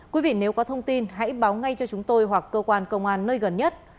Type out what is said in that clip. quý vị nếu có thông tin hãy báo ngay cho chúng tôi hoặc cơ quan công an nơi gần nhất